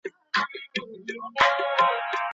په لاس لیکلنه د ستونزو د حل وړتیا لوړوي.